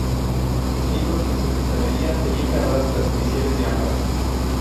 Sus libros y su cristalería tenían grabadas las iniciales de ambas.